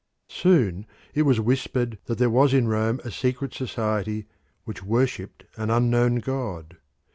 Soon it was whispered that there was in Rome a secret society which worshipped an unknown god.